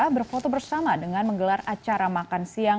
berfoto bersama dengan menggelar acara makan siang